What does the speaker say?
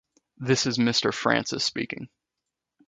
This is Mr. Francis speaking.